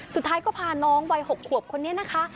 สุดท้ายก็พาน้องวัย๖ขวบคนนี้นะคะ